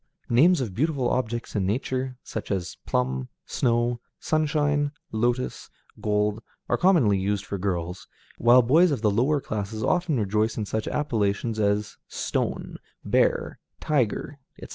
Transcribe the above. Names of beautiful objects in nature, such as Plum, Snow, Sunshine, Lotos, Gold, are commonly used for girls, while boys of the lower classes often rejoice in such appellations as Stone, Bear, Tiger, etc.